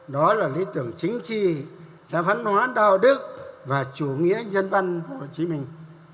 đó là lý tưởng chính trị đa phân hóa đạo đức và chủ nghĩa nhân văn hồ chí minh